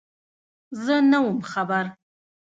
_زه نه وم خبر.